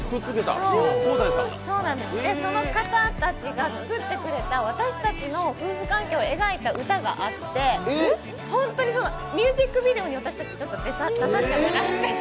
その方たちが作ってくれた私たちの夫婦関係を描いた歌があって本当にミュージックビデオに私たち、出させていただいてて。